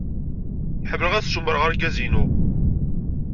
Ḥemmleɣ ad ssumareɣ argaz-inu.